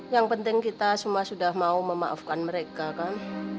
yang penting kita semua sudah mau memaafkan mereka kan